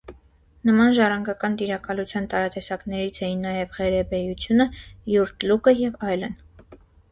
Նման ժառանգական տիրակալության տարատեսակներից էին նաև ղերեբեյությունը, յուրտլուկը և այլն։